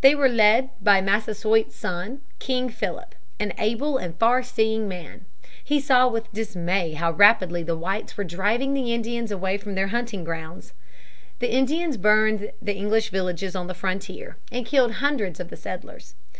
They were led by Massasoit's son, King Philip, an able and far seeing man. He saw with dismay how rapidly the whites were driving the Indians away from their hunting grounds. The Indians burned the English villages on the frontier and killed hundreds of the settlers.